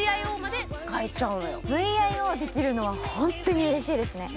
ＶＩＯできるのはほんとうにうれしいですね。